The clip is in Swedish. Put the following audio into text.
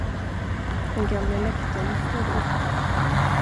Den gamle lektorn for upp.